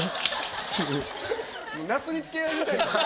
なすりつけ合いみたいになって。